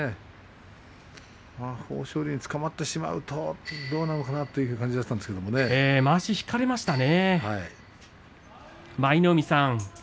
豊昇龍につかまってしまうとどうなるかなというまわしを引かれましたね。